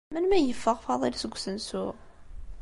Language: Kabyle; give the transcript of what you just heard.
Melmi ay yeffeɣ Faḍil seg usensu?